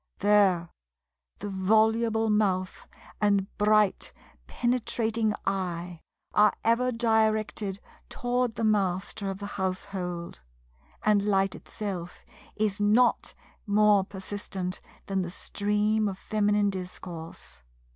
There the voluble mouth and bright penetrating eye are ever directed toward the Master of the household; and light itself is not more persistent than the stream of Feminine discourse.